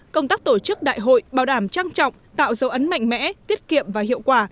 công tác tổ chức đại hội bảo đảm trang trọng tạo dấu ấn mạnh mẽ tiết kiệm và hiệu quả